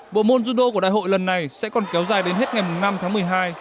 bộ môn judo của đại hội lần này sẽ còn kéo dài đến hết ngày năm tháng một mươi hai